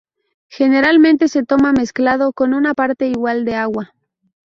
Generalmente se toma mezclado con una parte igual de agua.